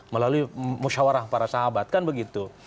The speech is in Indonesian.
melalui musyawarah para sahabat kan begitu